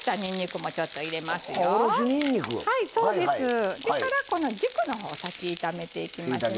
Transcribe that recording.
それから軸のほう先炒めていきますね。